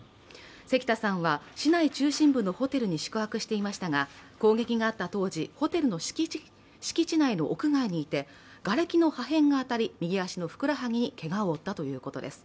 関田さんは市内中心部のホテルに宿泊していましたが攻撃があった当時、ホテルの敷地内の屋外にいてがれきの破片が当たり、右足のふくらはぎにけがを負ったということです。